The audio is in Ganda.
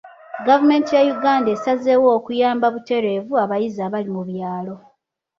Gavumenti ya Uganda esazeewo okuyamba butereevu abayizi abali mu byalo.